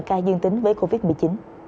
ca dương tính với covid một mươi chín